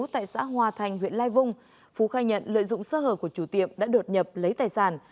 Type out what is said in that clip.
tại xã hòa thành huyện lai vung phú khai nhận lợi dụng sơ hở của chủ tiệm đã đột nhập lấy tài sản